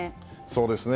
そうですね。